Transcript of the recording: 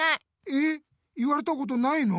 えっ言われたことないの？